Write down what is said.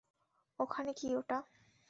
ওখানে কী ওটা?